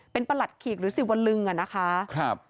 เป็นประหลัดขีกหรือสิวลึงอ่ะนะคะ